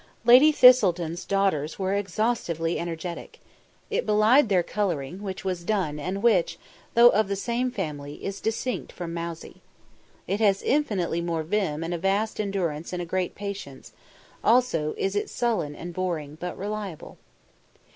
Lady Thistleton's daughters were exhaustively energetic. It belied their colouring, which was dun and which, though of the same family, is distinct from mousey. It has infinitely more vim and a vast endurance and a great patience; also is it sullen and boring, but reliable.